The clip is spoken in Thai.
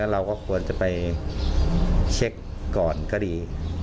เราก็ควรจะไปเช็คก่อนก็ดี